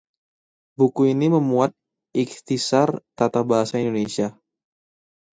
buku ini memuat ikhtisar tata bahasa Indonesia